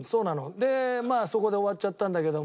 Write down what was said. でまあそこで終わっちゃったんだけども。